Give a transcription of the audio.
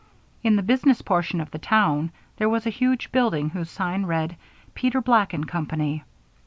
In the business portion of the town there was a huge building whose sign read: "PETER BLACK AND COMPANY."